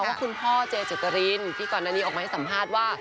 ว่าคุณพ่อเจจุกรินที่ก่อนหน้านี้ออกมาให้สัมภาษณ์ว่า